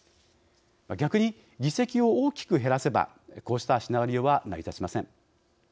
逆に議席を大きく減らせばこうしたシナリオは成り立ちません。